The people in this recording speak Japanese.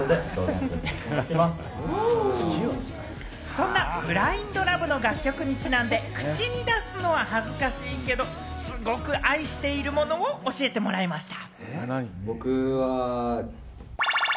そんな『ＢｌｉｎｄＬｏｖｅ』の楽曲にちなんで、口に出すのは恥ずかしいけれど、すごく愛しているものを教えてもらいました。